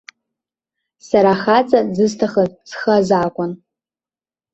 Сара ахаҵа дзысҭахыз схы азакәан.